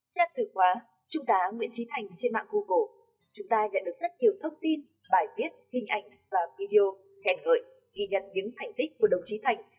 chắc thực quá chúng ta nguyễn trí thành trên mạng google chúng ta nhận được rất nhiều thông tin bài viết hình ảnh và video khen gợi ghi nhận những thành tích của đồng trí thành